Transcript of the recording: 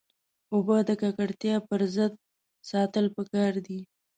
اوبه د ککړتیا پر ضد ساتل پکار دي.